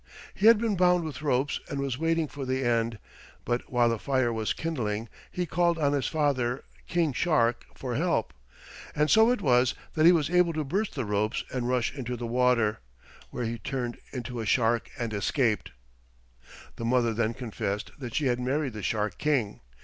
He had been bound with ropes and was waiting for the end, but while the fire was kindling he called on his father, King Shark, for help, and so it was that he was able to burst the ropes and rush into the water, where he turned into a shark and escaped. The mother then confessed that she had married the Shark King.